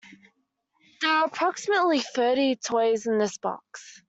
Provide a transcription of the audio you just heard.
There are approximately thirty toys in this box.